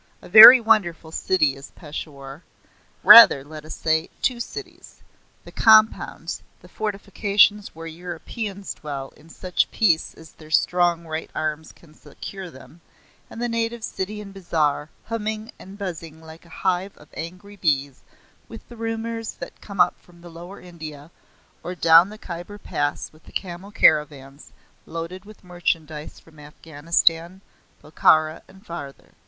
A very wonderful city is Peshawar rather let us say, two cities the compounds, the fortifications where Europeans dwell in such peace as their strong right arms can secure them; and the native city and bazaar humming and buzzing like a hive of angry bees with the rumours that come up from Lower India or down the Khyber Pass with the camel caravans loaded with merchandise from Afghanistan, Bokhara, and farther.